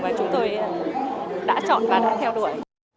và chúng tôi đã chọn và đã theo đuổi